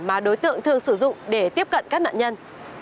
mà đối tượng thường sử dụng để tiếp cận các nạn nhân